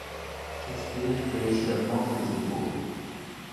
Shakspeare fait hausser à Planche les épaules ;